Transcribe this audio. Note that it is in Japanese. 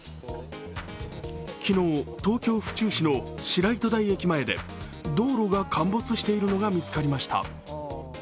昨日、東京・府中市の白糸台駅前で道路が陥没しているのが見つかりました。